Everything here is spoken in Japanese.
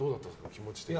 気持ち的に。